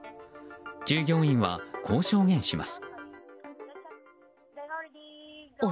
従業員は、こう証言します。